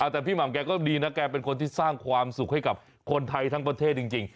แต่พี่หม่ำแกก็ดีนะแกเป็นคนที่สร้างความสุขให้กับคนไทยทั้งประเทศจริง